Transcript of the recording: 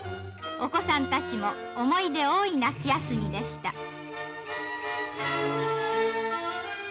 お子さんたちも思い出多い夏休みでした。